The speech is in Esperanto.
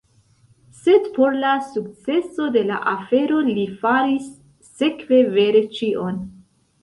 Sed por la sukceso de la afero li faris sekve vere ĉion.